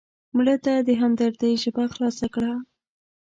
مړه ته د همدردۍ ژبه خلاصه کړه